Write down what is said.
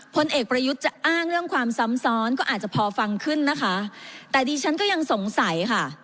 พลเอกประยุทธ์จะอ้างเรื่องความซ้ำซ้อนก็อาจจะพอฟังขึ้นนะคะแต่ดิฉันก็ยังสงสัยค่ะ